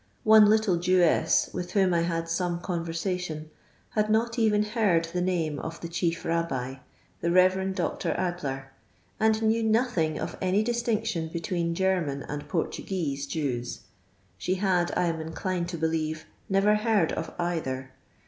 One little Jewess, with whom I had some conversation, had not even heard the name of the Chief Babbi, the Rev. Dr. Adler, and knew nothing of any distinction between German and Portuguese Jews ; she had, I am inclined to believe, never heard of either.